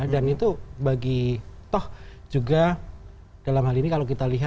dan itu bagi toh juga dalam hal ini